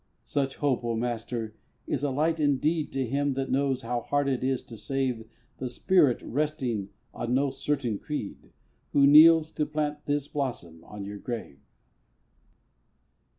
Such hope, O Master, is a light indeed To him that knows how hard it is to save The spirit resting on no certain creed Who kneels to plant this blossom on your grave.